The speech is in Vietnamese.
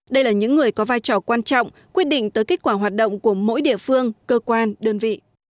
đây là những người có vai trò quan trọng quyết định tới kết quả hoạt động của mỗi địa phương cơ quan đơn vị